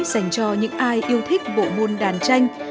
dành cho những ai yêu thích bộ môn đàn tranh